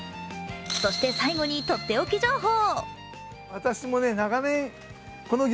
そして、最後にとっておき情報。